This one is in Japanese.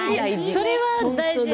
それは大事。